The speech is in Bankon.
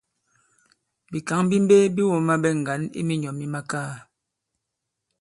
Bìkǎŋ bi mbe bi wōma ɓɛ ŋgǎn i minyɔ̌ mi makaa.